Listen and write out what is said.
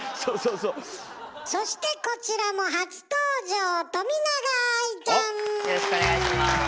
そしてこちらもよろしくお願いします。